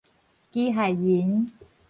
機械人